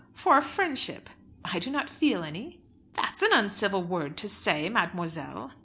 "For friendship." "I do not feel any." "That's an uncivil word to say, mademoiselle."